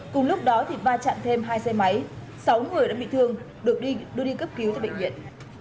cùng lúc đó thì va chạm thêm hai xe máy sáu người đã bị thương được đưa đi cấp cứu tại bệnh viện